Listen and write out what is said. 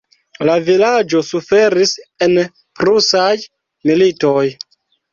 La vilaĝo suferis en Prusaj militoj.